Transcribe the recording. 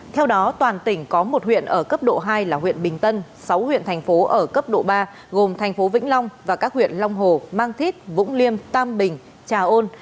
theo đó toàn tỉnh có một huyện ở cấp độ hai là huyện bình tân sáu huyện thành phố ở cấp độ ba gồm thành phố vĩnh long và các huyện long hồ mang thít vũng liêm tam bình trà ôn